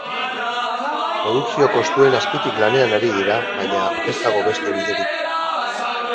Produkzio kostuen azpitik lanean ari dira baina, ez dago beste biderik.